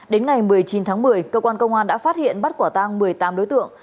đến ngày một mươi chín tháng một mươi cơ quan công an đã phát hiện bắt quả tang một mươi tám đối tượng